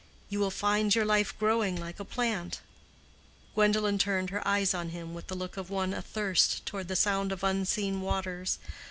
You will find your life growing like a plant." Gwendolen turned her eyes on him with the look of one athirst toward the sound of unseen waters.